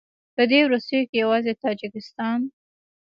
په دې وروستیو کې یوازې تاجکستان